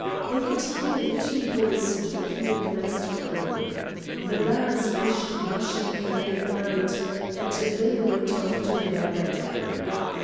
They could hear the two boys talking in the next room. The lads wished Mashinka good night, and then went off to their bedroom.